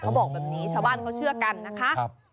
บอกแบบนี้ชาวบ้านเขาเชื่อกันนะคะ